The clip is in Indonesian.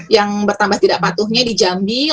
yang bertambah tidak patuhnya di jambi